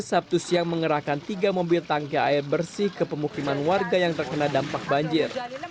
sabtu siang mengerahkan tiga mobil tangki air bersih ke pemukiman warga yang terkena dampak banjir